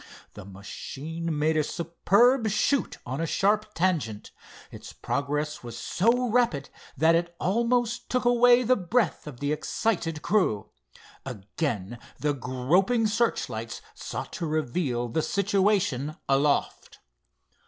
The machine made a superb shoot on a sharp tangent. Its progress was so rapid that it almost took away the breath of the excited crew. Again the groping searchlight sought to reveal the situation aloft.